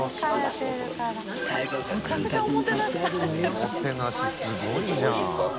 おもてなしすごいじゃん。